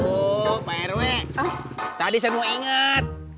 oh pak herwe tadi saya mau inget